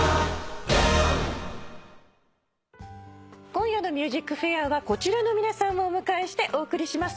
今夜の『ＭＵＳＩＣＦＡＩＲ』はこちらの皆さんをお迎えしてお送りします。